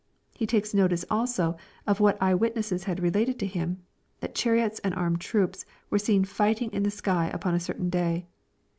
He takes notice also, of what eye witnesses had related to him, that chariots and armed troops were seen fighting in the sky upon a certain day.